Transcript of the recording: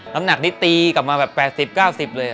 ลำหนักนิตีกลับมาแบบ๘๐๙๐เลยครับ